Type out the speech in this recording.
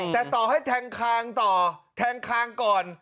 แต่ต่อให้แทงคางต่อแทงคางก่อน